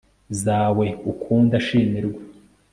zawe ukunda, shimirwa